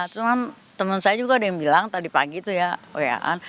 cuman temen saya juga ada yang bilang tadi pagi itu ya